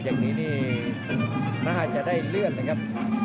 อย่างนี้นี่น่าจะได้เลื่อนนะครับ